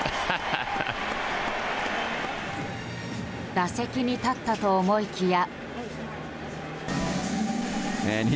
打席に立ったと思いきや。